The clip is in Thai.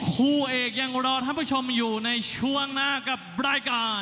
คู่เอกยังรอท่านผู้ชมอยู่ในช่วงหน้ากับรายการ